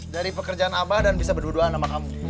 dari pekerjaan abah dan bisa berdua duaan sama kamu